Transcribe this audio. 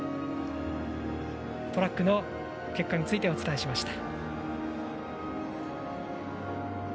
トラックの結果についてお伝えしました。